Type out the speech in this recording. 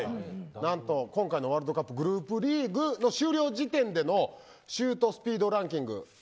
何と今回のワールドカップグループリーグ終了時点でのシュートスピードランキング